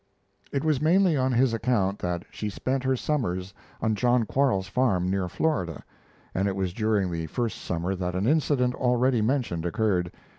It was mainly on his account that she spent her summers on John Quarles's farm near Florida, and it was during the first summer that an incident already mentioned occurred.